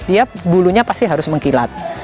dia bulunya pasti harus mengkilat